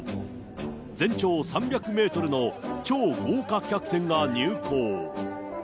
全長３００メートルの超豪華客船が入港。